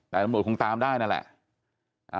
แต่ตำรวจคงตามได้นั่นแหละ